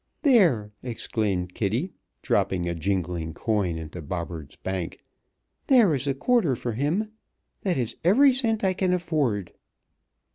"There!" exclaimed Kitty, dropping a jingling coin into Bobberts' bank. "There is a quarter for him! That is every cent I can afford."